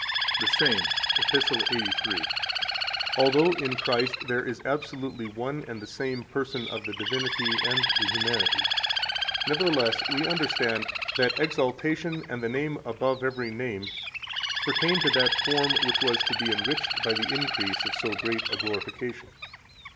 60 The same, Epist. 83 (fol. 134): "Although in Christ there is absolutely one and the same person of the divinity and the humanity, nevertheless we understand that exaltation and the name above every name pertain to that form which was to be enriched by the increase of so great a glorification.